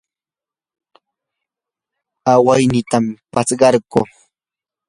awaynitam paskarquu.